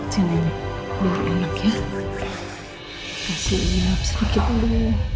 tante kasih minyak sedikit dulu